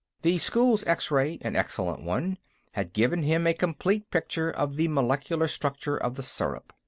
The school's X ray, an excellent one, had given him a complete picture of the molecular structure of the syrup.